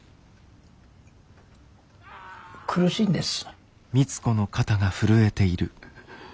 苦しいんです。